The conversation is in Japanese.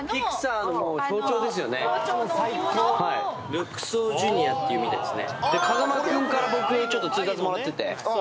ルクソーＪｒ．っていうみたいですね。